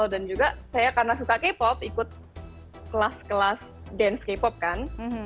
dan juga saya karena suka k pop ikut kelas kelas dance k pop kan